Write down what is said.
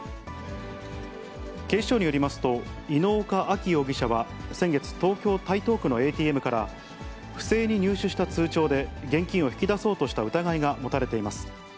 警視庁によりますと、猪岡燦容疑者は先月、東京・台東区のＡＴＭから不正に入手した通帳で、現金を引き出そうとした疑いが持たれています。